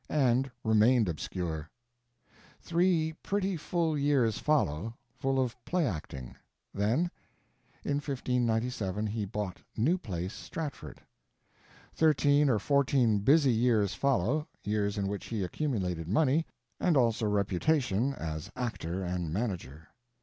And remained obscure. Three pretty full years follow. Full of play acting. Then In 1597 he bought New Place, Stratford. Thirteen or fourteen busy years follow; years in which he accumulated money, and also reputation as actor and manager.